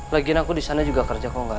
lagian aku di sana juga kerja kok gak